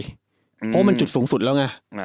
เพราะว่ามันจุดสูงสุดแล้วไง